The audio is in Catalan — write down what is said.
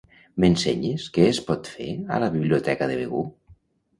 M'ensenyes què es pot fer a la biblioteca de Begur?